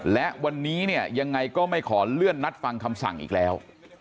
และวันนี้เนี่ยยังไงก็ไม่ขอเลื่อนนัดฟังคำสั่งอีกแล้ว